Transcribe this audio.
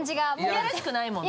いやらしくないもんね。